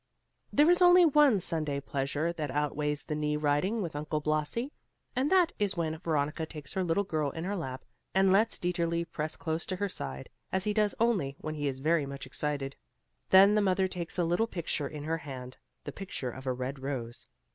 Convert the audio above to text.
There is only one Sunday pleasure that outweighs the knee riding with Uncle Blasi, and that is when Veronica takes her little girl in her lap and lets Dieterli press close to her side, as he does only when he is very much excited. Then the mother takes a little picture in her hand, the picture of a red rose.